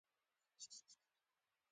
دا د سټیونز لومړنی ګام وو.